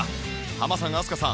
ハマさん飛鳥さん